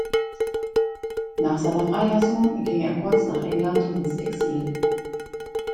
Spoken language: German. Nach seiner Freilassung ging er kurz nach England ins Exil.